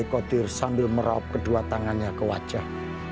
kodir sambil meraup kedua tangannya ke wajah